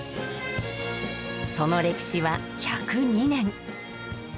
その歴史は１０２年。